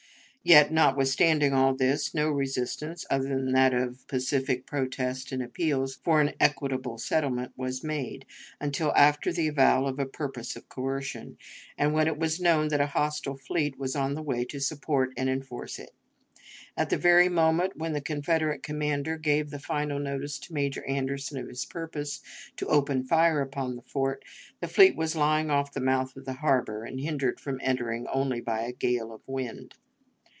Yet, notwithstanding all this, no resistance, other than that of pacific protest and appeals for an equitable settlement, was made, until after the avowal of a purpose of coercion, and when it was known that a hostile fleet was on the way to support and enforce it. At the very moment when the Confederate commander gave the final notice to Major Anderson of his purpose to open fire upon the fort, that fleet was lying off the mouth of the harbor, and hindered from entering only by a gale of wind.